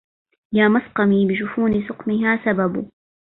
يا مسقمي بجفون سقمها سبب